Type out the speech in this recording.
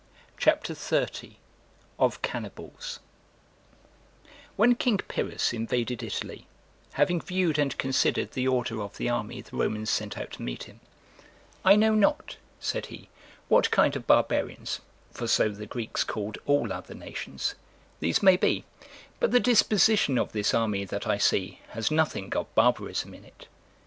CHAPTER XXX OF CANNIBALS When King Pyrrhus invaded Italy, having viewed and considered the order of the army the Romans sent out to meet him; "I know not," said he, "what kind of barbarians" (for so the Greeks called all other nations) "these may be; but the disposition of this army that I see has nothing of barbarism in it."